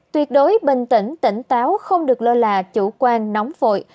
tuyệt đối bình tỉnh tỉnh táo không được lơ là chủ quan nóng vội